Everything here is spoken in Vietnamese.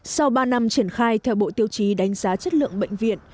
sau ba năm triển khai theo bộ tiêu chí đánh giá chất lượng bệnh viện